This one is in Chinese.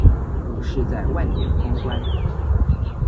股市在万点封关